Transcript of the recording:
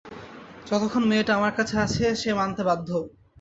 যতক্ষণ মেয়েটা আমার কাছে আছে সে মানতে বাধ্য।